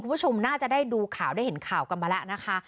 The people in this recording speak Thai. คุณผู้ชมน่าจะได้ดูข่าวได้เห็นข่าวกันมาแล้วนะคะ